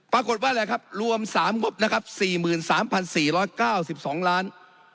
ปรากฏว่าอะไรครับรวม๓งบนะครับ๔๓๔๙๒ล้าน